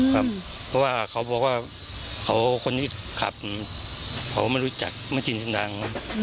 เพราะว่าเขาบอกว่าคนที่ขับเขาไม่รู้จักไม่ชินเสียงดัง